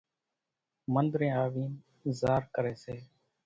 منۮرين آوين زار ڪري سي